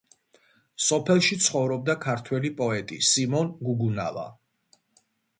სოფელში ცხოვრობდა ქართველი პოეტი სიმონ გუგუნავა.